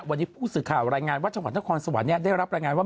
วันนี้ผู้สื่อข่าวรายงานว่าจังหวัดนครสวรรค์ได้รับรายงานว่า